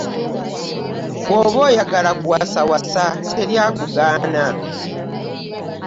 Bw'oba oyagala kuwasa wasa teri akugaana.